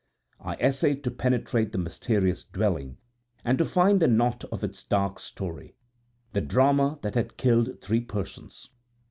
I essayed to penetrate the mysterious dwelling, and to find the knot of its dark story the drama that had killed three persons.